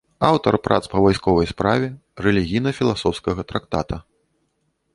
Аўтар прац па вайсковай справе, рэлігійна-філасофскага трактата.